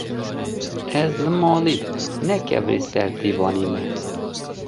ez li malê ne kevirê ser dîwanê me